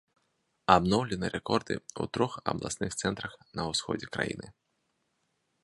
Абноўлены рэкорды ў трох абласных цэнтрах на ўсходзе краіны.